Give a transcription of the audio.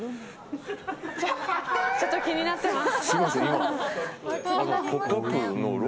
ちょっと気になってます。